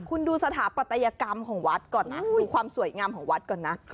คุณดูสถาปัตยกรรมของวัดก่อนนะดูความสวยงามของวัดก่อนนะ